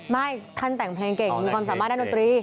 ไม่ท่านแต่งเพลงเก่งมีความสามารถด้านดนตรี